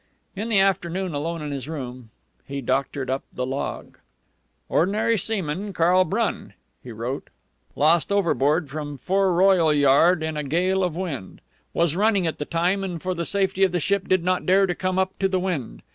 In the afternoon, alone in his room, he doctored up the log. "_Ordinary seaman, Karl Brun," he wrote, "lost overboard from foreroyal yard in a gale of wind. Was running at the time, and for the safety of the ship did not dare come up to the wind.